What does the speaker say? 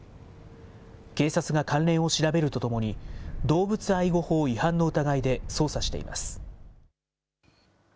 警察が関連を調べるとともに、動物愛護法違反の疑いで捜査しています。